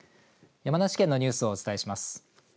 山梨県のニュースをお伝えします。